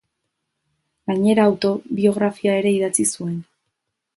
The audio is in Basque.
Gainera, autobiografia ere idatzi zuen.